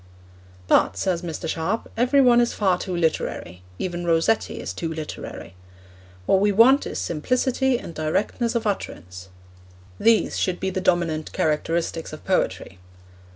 But, says Mr. Sharp, every one is far too literary; even Rossetti is too literary. What we want is simplicity and directness of utterance; these should be the dominant characteristics of poetry.